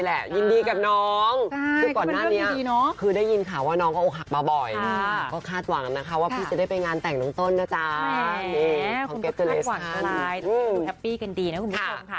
อันนี้ก็๓ปีแล้วอะไรอย่างนี้ครับ